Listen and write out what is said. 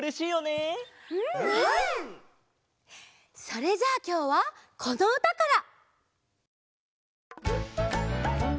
それじゃあきょうはこのうたから！